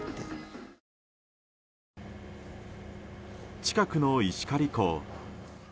近くの石狩港。